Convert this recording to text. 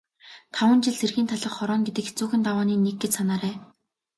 Таван жил цэргийн талх хорооно гэдэг хэцүүхэн давааны нэг гэж санаарай.